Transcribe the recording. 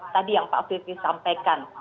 tadi yang pak fikri sampaikan